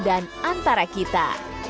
dan antara kita